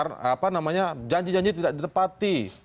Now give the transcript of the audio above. apa namanya janji janji tidak ditepati